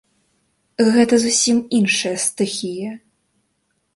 Гэта зусім іншая стыхія.